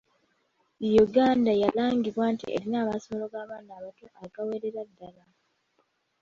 Yuganda yalagibwa nti erina amasomero g’abaana abato agawerera ddala